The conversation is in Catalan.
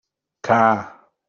Ca!